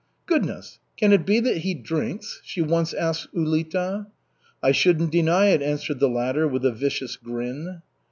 "Goodness, can it be that he drinks?" she once asked Ulita. "I shouldn't deny it," answered the latter, with a vicious grin.